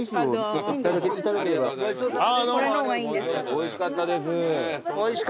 おいしかったです。